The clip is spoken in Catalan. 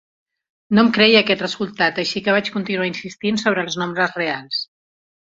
No em creia aquest resultat, així que vaig continuar insistint sobre els nombres reals.